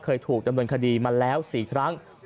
เคยถูกดำเนินคดีมาแล้ว๔ครั้ง